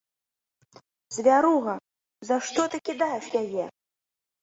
Звяруга, за што ты кідаеш яе?